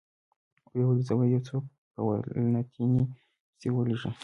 ویې ویل: زه به یو څوک په والنتیني پسې ولېږم.